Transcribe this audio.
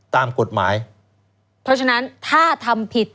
ตามกฎหมายเพราะฉะนั้นถ้าทำผิด